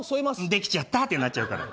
できちゃったってなっちゃうから。